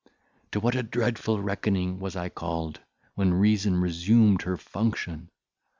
To what a dreadful reckoning was I called, when reason resumed her function!